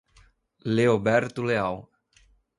Leoberto Leal